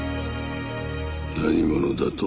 何者だと？